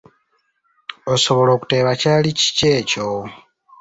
Osobola okuteeba kyali kiki ekyo?